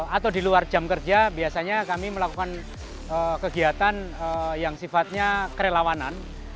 atau di luar jam kerja biasanya kami melakukan kegiatan yang sifatnya kerelawanan